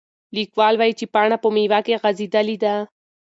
لیکوال وایي چې پاڼه په میوه کې غځېدلې ده.